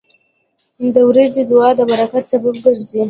• د ورځې دعا د برکت سبب ګرځي.